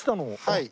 はい。